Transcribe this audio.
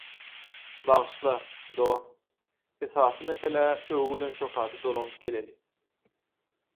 bagyşla, dost, esasy meselä – öwgi bilen şöhrata dolanyp geleli.